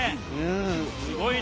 すごいね。